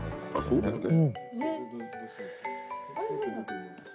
そうだよね。